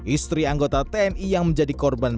istri anggota tni yang menjadi korban